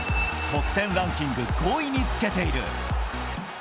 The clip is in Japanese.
得点ランキング５位につけている。